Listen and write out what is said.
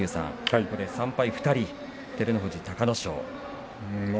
鶴竜さん３敗２人照ノ富士と隆の勝。